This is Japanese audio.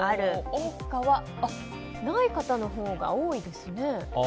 結果は、ない方のほうが多いですね。